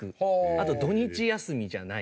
あと土日休みじゃない。